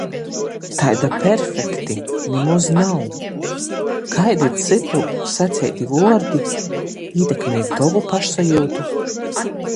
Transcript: Taida "perfekti" nimoz nav!" Kaidi cytu saceitī vuordi ītekmej tovu pošsajiutu?